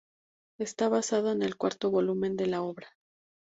Está basada en el cuarto volumen de la obra.